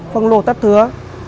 phân lô tách thừa